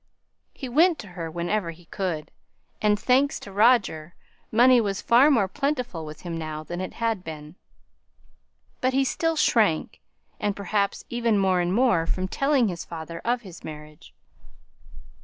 He went to her whenever he could; and, thanks to Roger, money was far more plentiful with him now than it had been. But he still shrank, and perhaps even more and more, from telling his father of his marriage.